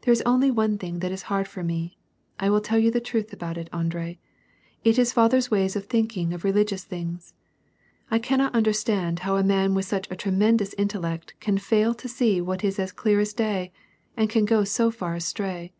There is only one thing that is hard for me — I will tell you the truth about it, Andre — it is father's ways of thinking of religious things. I cannot understand how a man with such a tremendous intellect can fail to see what is as clear as day, and can go so far astray.